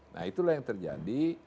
nah itulah yang terjadi